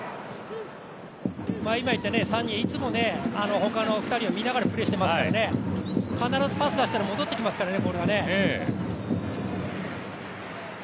今言った３人、いつも他の２人を見ながらプレーしていますので必ずパス出したらボールが戻ってきますからね。